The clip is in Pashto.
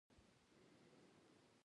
وطن حال په جوړيدو دي